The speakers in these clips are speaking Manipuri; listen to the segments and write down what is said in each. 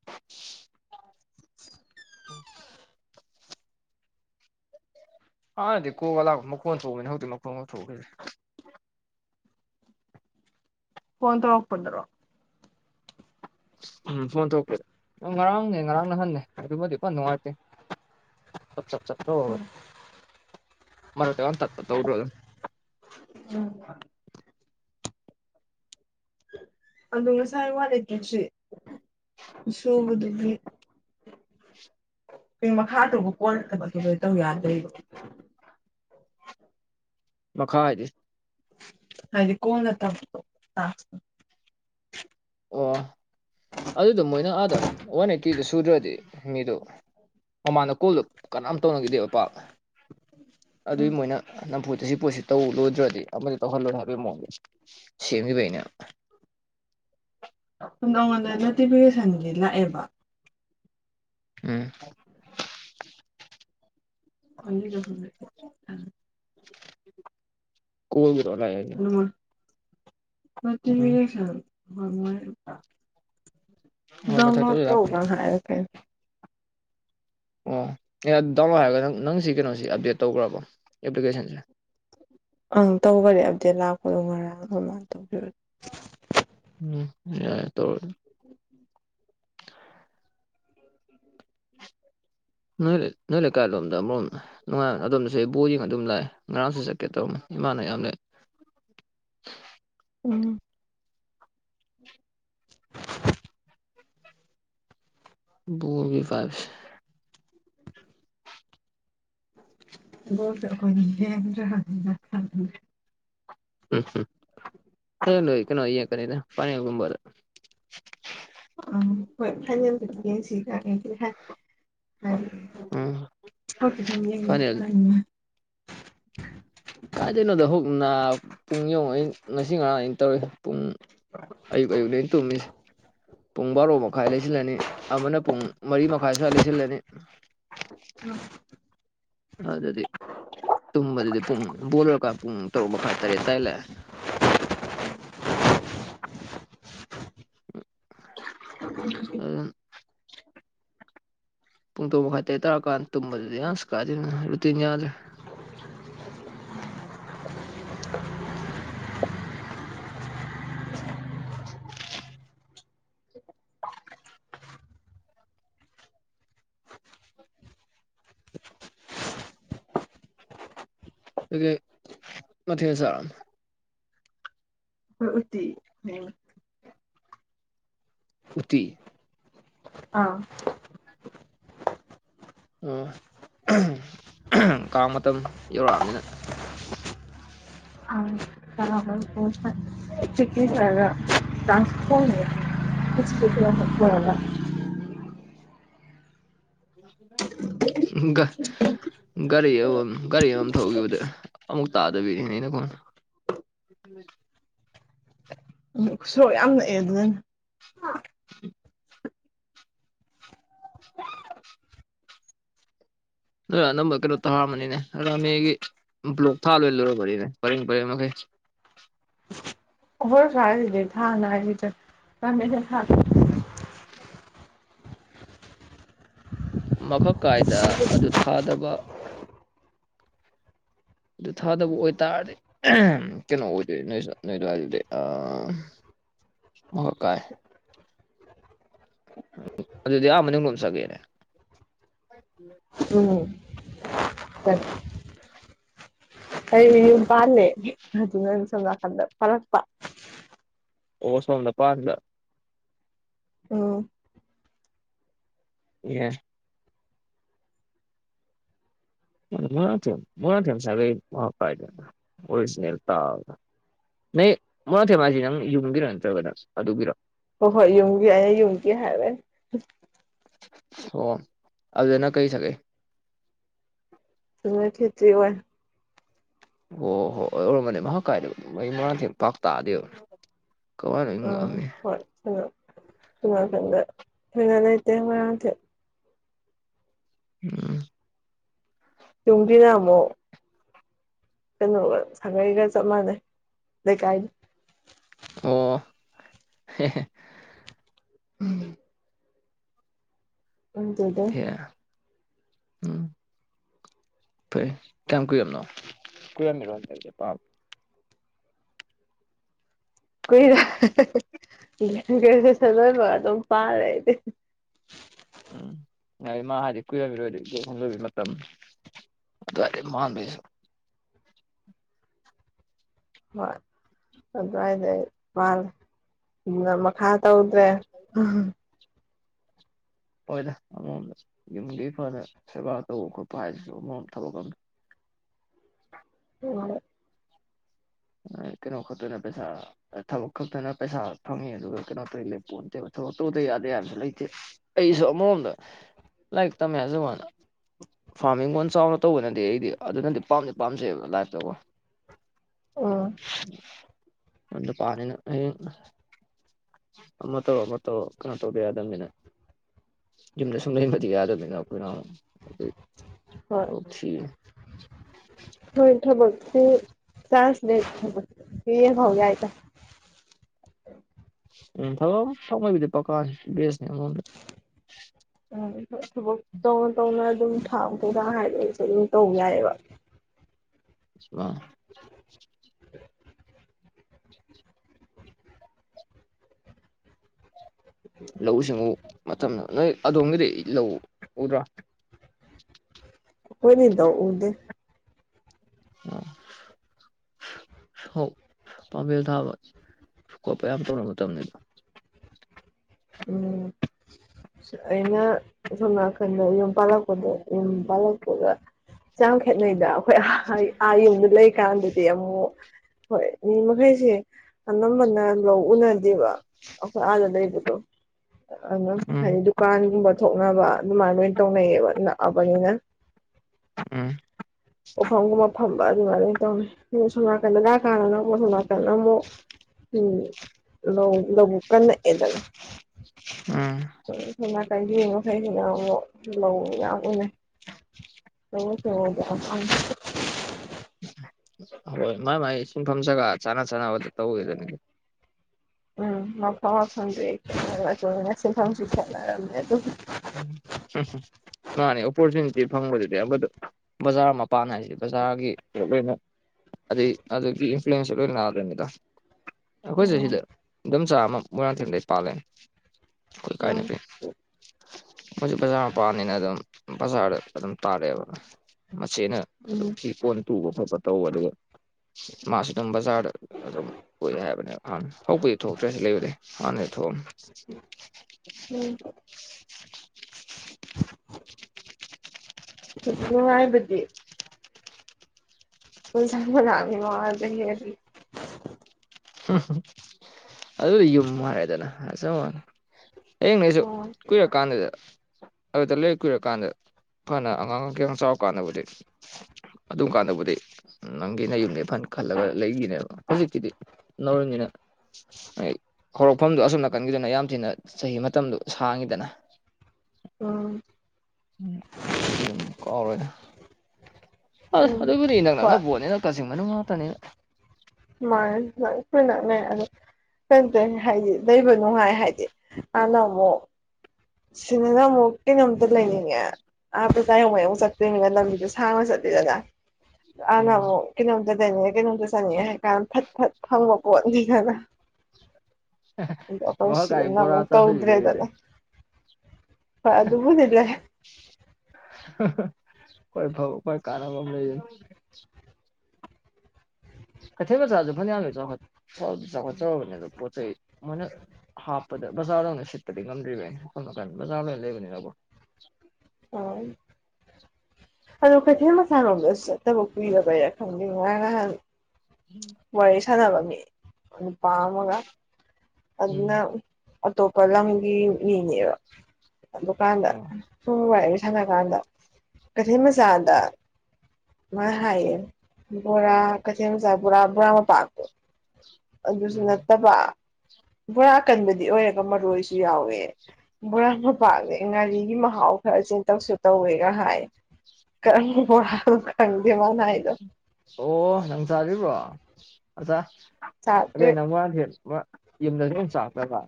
[unintelligible] [unintelligible] ꯎꯝ [unintelligible] ꯑꯥꯅꯗꯤ ꯀꯣꯛꯕ ꯂꯥꯛꯄ ꯃꯈꯣꯟ ꯊꯣꯛꯕꯅꯤ ꯍꯧꯖꯤꯛ ꯃꯈꯣꯟꯒ ꯊꯣꯛꯈꯤꯗ꯭ꯔꯦ ꯐꯣꯟ ꯇꯧꯔꯛꯄꯟꯗꯔꯣ ꯎꯝ ꯐꯣꯟ ꯇꯧꯛꯄꯗ ꯎꯝ ꯉꯔꯥꯡꯅꯦ ꯉꯔꯥꯡ ꯅꯍꯥꯟꯅꯦ ꯑꯗꯨꯃꯗꯤ ꯐꯟ ꯅꯨꯉꯥꯏꯇꯦ꯫ ꯆꯞ ꯆꯞ ꯆꯠ [unintelligible] ꯃꯔꯛꯇ ꯋꯥꯟ ꯇꯠꯄ ꯇꯧꯕ꯭ꯔꯣ ꯎꯝ [unintelligible] ꯑꯗꯣ ꯉꯁꯥꯏ ꯋꯥꯠꯂꯤꯀꯦꯁꯦ ꯁꯨꯕꯗꯨꯒꯤ ꯀꯩ ꯃꯈꯥ ꯇꯧꯕ ꯀꯣꯟ ꯀꯩꯕ ꯇꯧ ꯌꯥꯗ꯭ꯔꯩꯕ꯫ ꯃꯈꯥꯏꯗꯤ ꯍꯥꯏꯗꯤ ꯀꯣꯟꯅ ꯇꯝ [unintelligible] ꯇꯥꯛꯁꯅꯤ ꯑꯣ ꯑꯗꯨꯗꯣ ꯃꯣꯏꯅ ꯑꯥꯗ ꯋꯥꯟ ꯑꯩꯠꯇꯤꯗꯨ ꯁꯨꯗ꯭ꯔꯗꯤ ꯃꯤꯗꯣ ꯃꯃꯥꯟꯗ ꯀꯣꯜꯗꯣ ꯀꯅꯥꯝ ꯇꯧꯅꯈꯤꯗꯦꯕ ꯄꯥꯛ ꯑꯗꯨꯏ ꯎꯝ ꯃꯣꯏꯅ ꯅꯝꯐꯨꯇ ꯁꯤ ꯄꯣꯠꯁꯤ ꯇꯧ ꯂꯣꯏꯗ꯭ꯔꯗꯤ ꯑꯃꯗꯤ ꯇꯧꯍꯜꯂꯣꯏ ꯍꯥꯏꯕꯩ ꯃꯑꯣꯡꯗ ꯁꯦꯝꯈꯤꯕꯩꯅꯦ꯫ [unintelligible] ꯑꯩꯉꯣꯟꯗ ꯅꯣꯇꯤꯐꯤꯀꯦꯁꯟꯗꯤ ꯂꯥꯛꯑꯦꯕ ꯎꯝ ꯑꯣ ꯀꯅꯤꯗ ꯈꯪꯗꯦ ꯑꯩ ꯀꯣꯏꯒꯦ ꯇꯧꯔ ꯂꯥꯑꯦ꯫ ꯎꯝ ꯅꯣꯇꯤꯐꯤꯀꯦꯁꯟ ꯉꯝꯃꯣꯏꯌꯦ ꯑꯩꯇꯥ [unintelligible] ꯑꯣ ꯑꯦꯛꯖꯥꯝ ꯃꯊꯛꯇ ꯅꯣꯏ ꯂꯣꯏ ꯂꯥꯛꯄꯅꯤ ꯇꯣꯛꯂ ꯍꯥꯏꯔꯀꯦ ꯑꯣ ꯑꯦ ꯗꯥꯎꯟꯂꯣꯗ ꯍꯥꯏꯔꯒ ꯅꯪ ꯅꯪꯁꯤ ꯀꯩꯅꯣꯁꯤ ꯑꯞꯗꯦꯠ ꯇꯧꯈ꯭ꯔꯕ ꯑꯦꯄ꯭ꯂꯤꯀꯦꯁꯟꯁꯦ ꯑꯪ ꯇꯧꯕꯗꯤ ꯑꯞꯗꯦꯠ ꯂꯥꯛꯄꯗꯣ ꯉꯔꯥꯡ ꯑꯗꯨꯃꯥꯏꯟ ꯇꯧꯕꯤꯔꯣ ꯎꯝ ꯌꯥꯏ ꯇꯧꯔꯅꯤ ꯎꯝ [inaudible] ꯅꯣ ꯂꯩ ꯅꯣ ꯂꯩ ꯀꯥꯏꯂꯣꯝꯗ ꯑꯃꯝ ꯅꯨꯡꯉꯥꯏꯕ ꯑꯗꯣ ꯉꯁꯤ ꯑꯩ ꯕꯣꯜ ꯌꯤꯡꯉ ꯑꯗꯨꯝ ꯂꯥꯛꯑꯦ ꯉꯔꯥꯡꯁꯨ ꯆꯠꯀꯦ ꯇꯧꯔꯝ ꯏꯃꯅꯌꯥꯝ ꯂꯩ ꯎꯝ ꯕꯣꯜꯒꯤ ꯐꯥꯕ꯭ꯁ ꯊꯕꯛꯇꯣ ꯑꯩꯈꯣꯏꯅ ꯍꯦꯟꯗ꯭ꯔꯗꯤ [unintelligible] [unintelligible] ꯈꯣꯏ ꯂꯩ ꯀꯩꯅꯣ ꯌꯦꯛꯄꯅꯦꯗ ꯄꯪꯌꯦ ꯒꯨꯝꯕꯗ ꯑꯥ ꯍꯣꯏ ꯐꯥꯏꯅꯦꯜꯗꯗꯤ ꯌꯦꯡꯁꯤꯒ ꯌꯦꯡꯁꯤꯍꯥꯏ ꯎꯝ ꯐꯥꯏꯅꯦꯜ [unintelligible] ꯀꯥꯏꯗꯩꯅꯣꯗ ꯍꯨꯛ ꯅꯥ ꯄꯨꯡ ꯌꯧꯉꯩ ꯉꯁꯤ ꯉꯔꯥꯡ ꯑꯩꯟ ꯇꯧꯔꯤ ꯄꯨꯡ ꯑꯌꯨꯛ ꯑꯌꯨꯛ ꯅꯦ ꯑꯩꯟ ꯇꯨꯝꯃꯤꯁꯦ ꯄꯨꯡ ꯕꯥꯔꯣ ꯃꯈꯥꯏ ꯂꯩꯁꯤꯜꯂꯅꯤ ꯑꯃꯅ ꯄꯨꯡ ꯃꯔꯤ ꯃꯈꯥꯏ ꯁ꯭ꯋꯥꯏ ꯂꯩꯁꯤꯜꯂꯅꯤ [unintelligible] ꯑꯗꯨꯗꯤ ꯇꯨꯝꯕꯗꯨꯗꯤ ꯄꯨꯡ ꯕꯣꯜ ꯂꯣꯏꯔꯀꯥꯟ ꯄꯨꯡ ꯇꯔꯨꯛ ꯃꯈꯥꯏ ꯇꯔꯦꯠ ꯇꯥꯏ ꯂꯥꯛꯑꯦ ꯑꯗꯨꯝ ꯄꯨꯡ ꯇꯔꯨꯛ ꯃꯈꯥꯏ ꯇꯔꯦꯠ ꯇꯔꯥꯀꯥꯟ ꯇꯨꯝꯕꯗꯨꯗꯤ ꯑꯁ ꯀꯥꯏꯗꯅꯣꯗ ꯔꯨꯇꯤꯟ ꯌꯥꯗ꯭ꯔꯦ ꯗꯨꯗꯤ ꯃꯊꯦꯜ ꯆꯥꯔꯝ ꯑꯈꯣꯏ ꯎꯇꯤ ꯊꯣꯡꯉꯦ ꯎꯠꯇꯤ ꯑꯥ ꯑꯝ ꯀꯥꯡ ꯃꯇꯝ ꯌꯧꯔꯛꯑꯝꯅꯤꯅ ꯃꯥꯅꯦ [unintelligible] [unintelligible] ꯎꯝꯒ ꯒꯥꯔꯤ ꯑꯃꯃꯝ ꯒꯥꯔꯤ ꯑꯃꯃꯝ ꯊꯧꯒꯤꯕꯗꯩ ꯑꯃꯨꯛ ꯇꯥꯗꯕꯤꯅꯤꯅꯦ ꯀꯣ ꯕꯨꯛꯁꯣ ꯌꯥꯝꯅ ꯅꯛꯑꯦ ꯁꯤꯗꯅꯤ ꯅꯣꯏ ꯑꯅꯝꯕ ꯀꯩꯅꯣ ꯊꯥꯔꯝꯃꯅꯤꯅꯦ ꯔꯥꯃꯦꯒꯤ ꯕ꯭ꯂꯣꯛ ꯊꯥ ꯂꯣꯏ ꯂꯣꯏꯔꯝꯃꯅꯤꯅꯦ ꯄꯔꯦꯡ ꯄꯔꯦꯡ ꯃꯈꯩ [unintelligible] ꯃꯈꯛ ꯀꯥꯏꯗ ꯑꯗꯨ ꯊꯥꯗꯕ ꯑꯗꯨ ꯊꯥꯗꯕ ꯑꯣꯏꯇꯥꯔꯗꯤ ꯀꯩꯅꯣ ꯑꯣꯏꯗꯣꯏꯅꯦ ꯅꯣꯏ ꯅꯣꯏ ꯗꯨꯋꯥꯏꯗꯨꯗꯤ ꯑꯥꯥ ꯃꯍꯛꯀꯥꯏ ꯑꯗꯨꯗꯤ ꯑꯥ ꯃꯅꯨꯡ ꯂꯣꯝ ꯆꯪꯉꯦ ꯎꯝ [unintelligible] ꯑꯩ ꯌꯨꯝ ꯄꯥꯟꯂꯦ ꯑꯗꯨꯅ ꯁꯣꯝ ꯅꯥꯀꯟꯗ ꯄꯥꯜꯂꯛꯄ ꯑꯣ ꯁꯣꯝꯗ ꯄꯥꯟꯕ꯭ꯔ ꯑꯣ ꯌꯦꯁ ꯃꯣꯏꯔꯥꯡꯊꯦꯝ ꯃꯣꯏꯔꯥꯡꯊꯦꯝ ꯁꯒꯩ ꯃꯥꯅ ꯄꯥꯏꯗꯅ ꯑꯣꯔꯤꯖꯤꯅꯦꯜ ꯇꯥꯕꯗ ꯅꯩ ꯃꯣꯏꯔꯥꯡꯊꯦꯝ ꯍꯥꯏꯗꯤ ꯅꯪ ꯌꯨꯝꯒꯤꯔꯣ ꯅꯠꯇ꯭ꯔꯒꯅ ꯑꯗꯨꯒꯤꯔꯣ ꯍꯣꯏ ꯍꯣꯏ ꯌꯨꯝꯒꯤ ꯑꯩ ꯌꯨꯝꯒꯤ ꯍꯥꯏꯔꯦ ꯑꯣ ꯑꯗꯨꯗꯅ ꯀꯩ ꯁꯥꯒꯩ ꯔꯣꯡꯃꯩ ꯈꯦꯇꯔꯤ ꯑꯣꯏ ꯑꯣ ꯍꯣꯏ ꯑꯣꯏꯔꯝꯒꯅꯤ ꯃꯍꯛꯀꯥꯏꯗ ꯃ‌ꯣꯏ ꯃꯣꯏꯔꯥꯡꯊꯦꯝ ꯄꯥꯛ ꯇꯥꯗꯦꯕ ꯀꯋꯥꯏꯅꯣ ꯑꯥ ꯉꯛꯑꯝꯃꯤ ꯍꯣꯏ ꯁꯣꯝꯅ ‌ꯁꯣꯝꯅꯀꯟꯗ ꯀꯟꯅ ꯂꯩꯇꯦ ꯃꯔꯥꯡꯊꯦꯝ [unintelligible] ꯌꯨꯝꯒꯤꯅ ꯑꯃꯨꯛ ꯀꯩꯅꯣꯒ ꯁꯥꯒꯩꯒ ꯆꯞ ꯃꯥꯟꯅꯩ ꯂꯩꯀꯥꯏꯒ ꯑꯣ ꯍꯦ ꯍꯦ ꯎꯝ [unintelligible] ꯈꯪꯗꯦꯗ ꯑꯦ ꯎꯝ ꯐꯩ ꯀꯌꯥꯝ ꯀꯨꯏꯔꯅꯣ ꯀꯨꯏꯔꯝꯒꯤꯔꯣꯏ ꯑꯩꯅ‌ ꯄꯥꯕ ꯀꯨꯏꯔꯦ ꯒꯔꯦꯖꯨꯑꯦꯁꯟ ꯂꯣꯏꯕꯒ ꯑꯗꯨꯝ ꯄꯥꯔꯦ ꯑꯩꯗꯤ ꯎꯝ ꯌꯥꯏ ꯃꯥ ꯍꯧꯗꯤ ꯀꯨꯏꯔꯝꯈꯤꯔꯣꯏ ꯑꯗꯨꯗꯤ ꯈꯣꯡꯗꯕꯤ ꯃꯇꯝ ꯑꯗꯨꯋꯥꯏꯗ ꯃꯥꯥꯜꯂꯦ ꯑꯩꯁꯨ ꯍꯣꯏ ꯑꯗ꯭ꯋꯥꯏꯗ ꯃꯥꯜꯂꯦ ꯎ ꯃꯈꯥ ꯇꯧꯗ꯭ꯔꯦ ꯎꯝ ꯍꯣꯏꯗ ꯑꯃꯃꯣꯝꯗ ꯌꯨꯝꯒꯤ ꯐꯅ ꯁꯦꯕꯥ ꯇꯧꯕ ꯈꯣꯠꯄ ꯍꯥꯏꯁꯤꯁꯨ ꯑꯃꯔꯣꯃꯗ ꯊꯕꯛ ꯑꯃꯅꯤ ꯀꯣꯛ ꯉꯥꯎꯏ ꯀꯩꯅꯣ ꯈꯛꯇꯅ ꯄꯩꯁꯥ ꯊꯕꯛ ꯈꯛꯇꯅ ꯄꯩꯁꯥ ꯐꯪꯉꯤ ꯑꯗꯨꯒ ꯀꯩꯅꯣ ꯇꯧꯏ ꯂꯩꯄꯣꯟꯇꯦꯕ ꯊꯕꯛ ꯇꯧꯗ ꯌꯥꯗꯦ ꯍꯥꯏꯕꯁꯨ ꯂꯩꯇꯦ ꯑꯩꯁꯨ ꯑꯃꯔꯣꯝꯗ ꯂꯥꯏꯔꯤꯛ ꯇꯃꯦ ꯍꯥꯏꯖꯕ ꯋꯥꯅꯤ ꯐꯥꯔ꯭ꯃ ꯍꯤꯡꯒꯣꯟ ꯆꯥꯎꯅ ꯇꯧꯕꯅꯗꯤ ꯑꯩꯗꯤ ꯑꯗꯨꯅꯗꯤ ꯄꯥꯝꯗꯤ ꯄꯥꯝꯖꯩꯕ ꯂꯥꯏꯐꯇꯀꯣ ꯑꯗ ꯄꯥꯠꯅꯤꯅ ꯍꯌꯦꯡ [unintelligible] ꯑꯃ ꯇꯩꯔꯣ ꯑꯃ ꯇꯧꯔꯣ ꯀꯩꯅꯣ ꯇꯧꯗ ꯌꯥꯗꯃꯤꯅ ꯌꯨꯝꯗ ꯁꯨꯝ ꯂꯩꯕꯗꯤ ꯌꯥꯗꯕꯅꯤꯅ ꯑꯩꯈꯣꯏꯅ ꯑꯃꯨꯛ ꯍꯣꯏ ꯊꯕꯛ ꯊꯤ ꯍꯣꯏ ꯊꯕꯛꯀꯤ ꯆꯥꯟꯁ ꯂꯩꯔꯗꯤ ꯊꯕꯛꯀꯤ ꯌꯦꯡꯍꯧ ꯌꯥꯏꯗ ꯎꯝ ꯊꯕꯛ ꯑꯃ ꯐꯪꯕꯩꯕꯨꯗꯤ ꯄꯀꯥꯅꯤ ꯕꯦꯁꯅꯤ ꯑꯃꯔꯣꯝꯗ [unintelligible] ꯊꯕꯛ ꯇꯧꯅ ꯇꯧꯅ ꯑꯗꯨꯝ ꯐꯥꯔ꯭ꯃ ꯀꯩꯀꯥ ꯍꯥꯏꯗꯨꯁꯨ ꯑꯗꯨꯝ ꯇꯧ ꯌꯥꯏꯌꯦꯕ [unintelligible] ꯂꯧꯎ ꯁꯤꯡꯎ ꯃꯇꯝꯗ ꯅꯣꯏ ꯑꯗꯣꯝꯒꯤꯗꯤ ꯂꯧ ꯎꯗ꯭ꯔꯣ ꯑꯈꯣꯢꯗꯤ ꯂꯧ ꯎꯗꯦ [unintelligible] ꯍꯧꯛ ꯄꯥꯝꯐꯦꯜ ꯊꯥꯕ ꯈꯣꯠꯄ ꯌꯥꯝ ꯇꯧꯅ ꯃꯇꯝꯅꯤꯗ ꯎꯝ ꯑꯩꯅ ꯁꯣꯝ ꯅꯥꯀꯟꯗ ꯌꯨꯝ ꯄꯥꯜꯂꯛꯄꯗ ꯌꯨꯝ ꯄꯥꯜꯂꯛꯄꯒ ꯌꯥꯝ ꯈꯦꯠꯅꯩꯗ ꯑꯈꯣꯏ [unintelligible] ꯑꯥ ꯌꯨꯝꯗ ꯂꯩ ꯀꯥꯟꯗꯗꯤ ꯑꯃꯨꯛ ꯍꯣꯏ ꯃꯤ ꯃꯈꯩꯁꯤ ꯑꯅꯝꯕꯅ ꯂꯧ ꯎꯅ ꯗꯦꯕ ꯑꯈꯣꯏ ꯑꯥꯗ ꯂꯩꯕꯗꯨ ꯑꯗꯨꯝ ꯎꯝ ꯍꯥꯏꯗꯤ ꯗꯨꯀꯥꯟꯒꯨꯝꯕ ꯊꯣꯛꯅꯕ ꯑꯗꯨꯃꯥꯏꯟ ꯂꯣꯏꯟ ꯇꯧꯅꯩꯌꯦꯕ ꯅꯛꯑꯕꯅꯤꯅ ꯎꯝ ꯄꯣꯐꯝꯒꯨꯝꯕ ꯐꯝꯕ ꯑꯗꯨꯃꯥꯏꯟ ꯂꯣꯏꯟ ꯇꯧꯅꯩ ꯁꯣꯝ ꯅꯥꯀꯟꯗꯅ ꯐꯥꯔ꯭ꯃ [unintelligible] ꯀꯟꯅ ꯑꯃꯨꯛ ꯂꯧ ꯂꯧꯕꯨꯛꯀ ꯅꯛꯑꯦꯗꯅ ꯎꯝ ꯁꯣꯝ ꯅꯥꯀꯟꯒꯤ ꯃꯤ ꯃꯈꯩꯁꯤꯅ ꯑꯃꯨꯛ ꯂꯧ ꯌꯥꯝ ꯎꯅꯩ ꯂꯧꯎ ꯁꯤꯡꯎꯗ ꯌꯥꯝ [unintelligible] ꯍꯣꯏ ꯃꯥꯏ ꯃꯥꯏ ꯁꯤꯡꯐꯝ ꯖꯒ ꯆꯥꯅ ꯆꯥꯅꯕꯗ ꯇꯧꯋꯦꯗꯨꯅꯤ ꯎꯝ ꯃꯐꯝ ꯃꯐꯝꯗꯨꯢ ꯃꯇꯨꯡꯢꯟꯅ ꯁꯤꯟꯐꯝꯁꯨ ꯈꯦꯠꯅꯔꯝꯅꯤ ꯑꯗꯨꯝ [unintelligible] ꯃꯥꯅꯤ ꯑꯣꯄꯣꯔꯆꯨꯅꯤꯇꯤ ꯐꯪꯕꯗꯨꯗꯤ ꯑꯃꯗ ꯕꯖꯥꯔ ꯃꯄꯥꯟ ꯍꯥꯏꯁꯤꯗꯤ ꯕꯖꯥꯔꯒꯤꯗ ꯂꯣꯢꯅ ꯑꯗ ꯑꯗꯨꯗꯒꯤ ꯏꯟꯐ꯭ꯂꯨꯌꯦꯟꯁꯁꯨ ꯂꯣꯏꯟ ꯂꯥꯛꯑꯗꯣꯢꯅꯤꯗ ꯑꯩꯈꯣꯏꯁꯨ ꯁꯤꯗ ꯎꯝ ꯏꯟꯗꯣꯝꯆꯥ ꯑꯃ ꯃꯣꯏꯔꯥꯡꯊꯦꯝꯗꯩ ꯄꯥꯜꯂꯛꯑꯦ ꯑꯈꯣꯏ ꯀꯥꯏ ꯎꯝ ꯅꯨꯄꯤ ꯃꯣꯢꯁꯨ ꯕꯖꯥꯔ ꯃꯄꯥꯟꯅꯤꯅ ꯑꯗꯨꯝ ꯕꯖꯥꯔꯗ ꯑꯗꯨꯝ ꯇꯥꯔꯛꯑꯦꯕ ꯃꯆꯦꯅ ꯐꯤ ꯀꯣꯟ ꯇꯨꯕ ꯈꯣꯠꯄ ꯇꯧꯕ ꯑꯗꯨꯒ ꯃꯥꯁꯨ ꯑꯗꯨꯝ ꯕꯖꯥꯔꯗ ꯑꯗꯨꯝ [unintelligible] ꯍꯥꯏꯕꯅꯦꯕ ꯍꯥꯟꯅ ꯍꯧꯄꯨꯗꯤ ꯊꯣꯛꯇ꯭ꯔꯦ ꯌꯨꯝ ꯂꯩꯕꯗꯩ ꯍꯥꯟꯅꯗꯤ ꯊꯣꯛꯑꯝꯃꯤ ꯎꯝ [unintelligible] ꯅꯨꯉꯥꯏꯕꯗꯤ ꯕꯖꯥꯔ ꯃꯅꯥꯛꯅ ꯅꯨꯉꯥꯢꯕ ꯍꯦꯜꯂꯤ [unintelligible] ꯑꯗꯨꯕꯨꯗꯤ ꯌꯨꯝ ꯍꯥꯢꯔꯦꯗꯅ ꯍꯥꯢꯖꯕ꯭ꯋꯥꯅꯤ ꯍꯌꯦꯡ ꯅꯩꯁꯨ ꯑꯣ ꯀꯨꯏꯔꯛꯀꯥꯟꯗꯨꯗ ꯑꯗꯨꯗ ꯂꯩꯔꯛ ꯀꯨꯏꯔꯛꯀꯥꯟꯗ ꯐꯟꯅ ꯑꯉꯥꯡ ꯀꯩꯀꯥꯡ ꯆꯥꯎꯔꯀꯥꯟꯗꯕꯨꯗꯤ ꯑꯗꯨꯝ ꯀꯥꯟꯗꯕꯨꯗꯤ ꯅꯪꯒꯤ ꯅꯌꯨꯝꯅꯤ ꯐꯟ ꯈꯜꯂꯒ ꯂꯩꯒꯤꯅꯦꯕ ꯍꯧꯖꯤꯛꯀꯤꯗꯤ ꯅꯧꯔꯤꯝꯅꯤꯅ ꯍꯢꯗ ꯍꯧꯔꯛꯐꯝꯗꯨ ꯑꯁꯣꯝ ꯅꯥꯀꯟꯒꯤꯗꯅ ꯌꯥꯝ ꯊꯤꯅ ꯆꯍꯤ ꯃꯇꯝꯗꯣ ꯁꯥꯡꯉꯤꯗꯅ ꯎꯝ [unintelligible] ꯀꯥꯎꯔꯣꯏꯗ ꯑꯥꯁ ꯎꯝ ꯑꯗꯨꯕꯨꯗꯤ ꯏꯅꯛ ꯅꯛꯅ ꯍꯣꯏ ꯕꯣꯠꯅꯤꯅ ꯀꯛꯆꯤꯡ ꯃꯅꯨꯡ ꯉꯥꯛꯇꯅꯤꯅ [unintelligible] ꯑꯗꯨ [unintelligible] ꯍꯥꯏꯗꯤ ꯂꯩꯕ ꯅꯨꯡꯉꯥꯏ ꯍꯥꯏꯗꯤ ꯍꯥꯟꯅ ꯑꯃꯨꯛ ꯁꯤꯗꯅ ꯑꯃꯨꯛ ꯀꯩꯅꯣꯝꯇ ꯂꯩꯅꯤꯡꯉꯦ ꯑꯥ ꯕꯖꯥꯔ ꯌꯧꯃꯩ ꯆꯠꯇꯣꯏꯅꯤꯕ ꯂꯝꯕꯤꯗꯣ ꯁꯥꯡꯅ ꯆꯠꯂꯤꯗꯅ ꯎꯝ ꯍꯥꯟꯅꯕꯨꯛ ꯀꯩꯅꯣꯝꯇ ꯂꯩꯅꯤꯡꯉꯦ ꯀꯩꯅꯣꯝꯇ ꯆꯪꯅꯤꯡꯑꯦ ꯍꯥꯏ ꯀꯥꯟꯗ ꯐꯠ ꯐꯠ ꯐꯪꯕ ꯄꯣꯠꯅꯤꯗꯅ ꯑꯗꯣ ꯑꯩꯈꯣꯏ ꯃꯈꯥꯀꯥꯏ ꯁꯤꯗꯅ ꯕꯣꯔꯥ ꯑꯃꯨꯛ ꯆꯥꯁꯨꯕꯤ ꯂꯩꯗꯨꯗꯤ ꯇꯧꯗ꯭ꯔꯦꯗꯅ ꯍꯣꯏ ꯑꯗꯨꯕꯨꯗꯤ ꯂꯩ ꯈ꯭ꯋꯥꯏ ꯐꯕ ꯈ꯭ꯋꯥꯏ ꯀꯥꯟꯅꯕ ꯑꯝ ꯂꯩꯗꯨ ꯀꯩꯊꯦꯟꯃꯆꯥꯁꯨ ꯐꯅꯌꯥꯝꯗꯤ ꯆꯈꯠ ꯆꯥꯎꯗꯤ ꯆꯥꯎꯈꯠꯆꯔꯕꯅꯤ ꯄꯣꯠ ꯆꯩ ꯃꯣꯏꯅ ꯍꯥꯞꯄꯗ ꯕꯖꯥꯔꯗꯧꯅ ꯁꯤꯠꯄꯗꯤ ꯉꯝꯗ꯭ꯔꯤꯕꯩꯅꯤ ꯁꯣꯝꯅꯥꯀꯥꯟ ꯕꯖꯥꯔ ꯂꯣꯏꯅ ꯂꯩꯕꯅꯤꯅꯀꯣ ꯑꯣ ꯑꯗꯣ ꯀꯩꯊꯦꯜ ꯃꯆꯥꯔꯣꯝꯗ ꯆꯠꯇꯕ ꯀꯨꯔꯕꯩꯔ ꯈꯪꯗꯦ ꯉꯥꯔꯥꯡ ꯅꯍꯥꯟ ꯋꯥꯔꯤ ꯁꯥꯟꯅꯕ ꯃꯤ ꯅꯨꯄꯥ ꯑꯃꯒ ꯎꯝ ꯑꯗꯨꯅ ꯑꯇꯣꯞꯄ ꯂꯝꯒꯤ ꯃꯤꯅꯦꯕ ꯑꯗꯨꯀꯥꯟꯗ ꯑꯣ ꯁꯨꯝ ꯋꯥꯏꯔꯤꯁ ꯁꯥꯟꯅꯀꯥꯟꯗ ꯀꯩꯊꯦꯟ ꯃꯆꯥꯥꯗ ꯃꯥꯅ ꯍꯥꯏꯌꯦ ꯕꯣꯔꯥ ꯀꯊꯦꯟ ꯃꯆꯥ ꯕꯣꯔꯥ ꯕꯣꯔꯥ ꯃꯄꯥꯛꯇꯨ ꯑꯗꯨꯁꯨ ꯎꯝ ꯅꯠꯇꯕ ꯕꯣꯔꯥ ꯀꯟꯕꯗꯤ ꯑꯣꯏꯔꯒ ꯃꯔꯣꯏꯁꯨ ꯌꯥꯎꯋꯦ ꯕꯣꯔꯥ ꯃꯄꯥꯛꯅꯦ ꯉꯥꯔꯤꯒꯤ ꯃꯍꯥꯎ ꯈꯔ ꯆꯦꯟꯇꯛꯁꯨ ꯇꯧꯋꯦꯒ ꯍꯥꯏ ꯀꯔꯝꯕ ꯕꯣꯔꯥꯅꯣ ꯈꯪꯗꯦ ꯃꯥꯅ ꯍꯥꯏꯗꯣ ꯑꯣ ꯅꯪ ꯆꯥꯔꯤꯕ꯭ꯔꯣ ꯑꯆꯥ ꯆꯥꯗ꯭ꯔꯤ ꯀꯩ ꯅꯪ ꯃꯣꯏꯔꯥꯡꯊꯦꯝ ꯕꯣꯔꯥ ꯌꯨꯝꯗꯁꯨ ꯑꯝꯃꯨ ꯆꯥꯔꯛꯇꯕ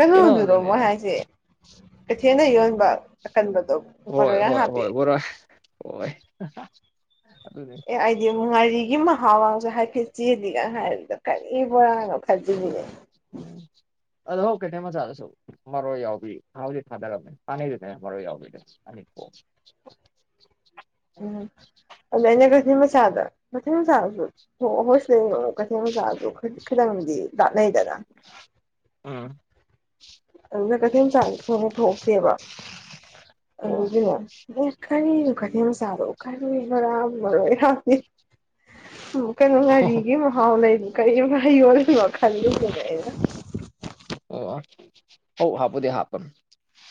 ꯀꯩꯅꯣꯗꯨꯔꯣ ꯃꯣꯏ ꯀꯩꯅꯣꯗꯨꯅꯤꯅꯦ ꯍꯥꯏꯁꯦ ꯀꯩꯊꯦꯜꯗ ꯌꯣꯟꯕ ꯑꯀꯟꯕꯗꯣ ꯍꯣꯏ ꯃꯔꯣꯏ ꯌꯥꯝ ꯍꯣꯏ ꯍꯥꯞꯄꯤ ꯍꯣꯏ ꯕꯣꯔꯥ ꯍꯣꯏ ꯑꯗꯨꯅꯤ ꯑꯦ ꯑꯩꯗꯤ ꯉꯥꯔꯤꯒꯤ ꯃꯍꯥꯎꯒꯁꯨ ꯍꯥꯏꯐꯦꯠ ꯆꯦꯜꯂꯤꯒ ꯍꯥꯏꯕꯗꯣ ꯀꯔꯤ ꯕꯣꯔꯥꯡꯅꯣ ꯈꯜꯂꯤꯅꯤꯅꯦ ꯎꯝ ꯑꯗꯣ ꯍꯧ ꯀꯩꯊꯦꯟ ꯃꯆꯥꯥꯗꯁꯨ ꯃꯔꯣꯏ ꯌꯥꯎꯕꯤ ꯊꯥꯎꯕꯨꯗꯤ ꯊꯥꯗꯔꯝꯃꯦ ꯍꯥꯟꯅꯩꯗꯨꯅꯦ ꯃꯔꯣꯏ ꯌꯥꯎꯕꯤꯗ ꯑꯅꯤꯄꯣ ꯎꯝ ꯑꯗꯨ ꯑꯩꯅ ꯀꯩꯊꯦꯜ ꯃꯆꯥꯗ ꯀꯩꯊꯦꯜ ꯃꯆꯥꯁꯨ ꯍꯣ ꯑꯈꯣꯏꯁꯤꯗꯅ ꯑꯃꯨꯛ ꯀꯩꯊꯦꯜ ꯃꯆꯥꯗꯨ ꯈꯣꯏꯗꯤ ꯈꯤꯗꯪꯗꯤ ꯂꯥꯞꯅꯩꯗꯅ ꯎꯝ ꯑꯗꯨꯅ ꯀꯩꯊꯦꯜꯆꯥꯥꯗꯤ ꯊꯣꯏꯅ ꯊꯣꯛꯇꯦꯕ ꯑꯣ ꯑꯗꯨꯒꯤꯅꯦ ꯑꯦ ꯀꯔꯤꯅꯣ ꯀꯩꯊꯦꯟ ꯃꯆꯥꯗꯕꯧ ꯀꯔꯤ ꯕꯣꯔꯥꯕꯨ ꯃꯔꯣꯏ ꯍꯥꯞꯄꯤ ꯀꯩꯅꯣ ꯉꯥꯔꯤꯒꯤ ꯃꯍꯥꯎ ꯂꯩꯅ ꯀꯔꯤ [unintelligible] ꯈꯜꯂꯤꯁꯤꯅꯦ ꯑꯩꯅ ꯑꯣ ꯍꯧ ꯍꯥꯞꯄꯨꯗꯤ ꯍꯥꯞꯄꯝ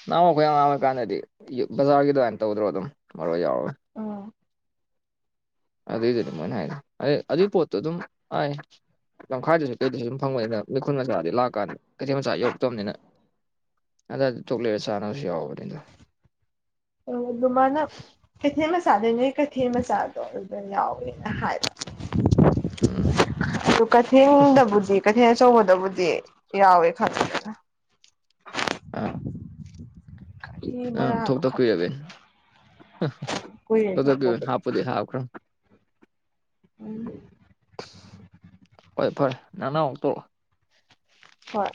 ꯅꯍꯥꯋꯥꯏ ꯑꯈꯣꯏ ꯑꯉꯥꯡ ꯑꯣꯏꯀꯥꯟꯗꯗꯤ ꯌꯨ ꯕꯖꯥꯔꯒꯤ ꯑꯗꯨꯃꯥꯏꯅ ꯇꯧꯗ꯭ꯔꯣ ꯑꯗꯨꯝ ꯃꯔꯣꯏ ꯌꯥꯎꯔ ꯎꯝ ꯑꯗꯨꯏꯗꯨꯅꯤ ꯃꯣꯏꯅ ꯍꯥꯏ ꯑ ꯑꯗꯨꯏ ꯄꯣꯠꯇꯨ ꯑꯗꯨꯝ ꯑꯥꯏ ꯂꯝꯈꯥꯏꯗꯁꯨ ꯀꯩꯗꯁꯨ ꯁꯨꯝ ꯐꯪꯕꯅꯤꯅ ꯃꯤꯈꯨꯟ ꯃꯆꯥꯗꯤ ꯂꯥꯛꯀꯥꯟꯗ ꯀꯩꯊꯦꯜ ꯃꯆꯥ ꯌꯧꯔꯛꯇꯕꯅꯤꯅ ꯑꯗꯥꯗ ꯇꯣꯛ ꯂꯩꯔ ꯆꯥꯅꯕꯁꯨ ꯌꯥꯎꯕꯅꯤꯗ ꯑꯗꯣ ꯑꯗꯨ ꯃꯥꯅ ꯀꯩꯊꯦꯟ ꯃꯆꯥꯗꯩꯅꯦ ꯀꯩ ꯊꯦꯟ ꯃꯆꯥꯗꯣ ꯑꯗꯨꯗ ꯌꯥꯎꯋꯦꯅ ꯍꯥꯏꯕ ꯎꯝ ꯑꯗꯨ ꯀꯩꯊꯦꯜꯗꯕꯨꯗꯤ ꯀꯩꯊꯦꯟ ꯑꯆꯧꯕꯗꯕꯨꯗꯤ ꯌꯥꯎꯋꯦ ꯈꯪ [inaudible] ꯀꯔꯤ ꯑꯪ ꯕꯣꯔꯥꯅꯣ ꯊꯣꯛꯇ ꯈꯪ ꯀꯨꯏꯔꯕꯩ ꯀꯨꯏꯔꯦ ꯊꯣꯛꯇꯀꯨꯏ ꯊꯣꯛꯇꯕꯗꯣ ꯍꯥꯞꯄꯨꯗꯤ ꯍꯥꯞꯈꯔꯝ [unintelligible] ꯍꯣꯏ ꯐꯔꯦ ꯅꯪꯅꯃꯨꯛ ꯇꯧꯔꯛꯑꯣ ꯍꯣꯏ